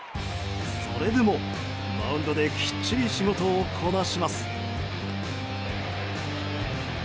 それでも、マウンドできっちり仕事をこなします。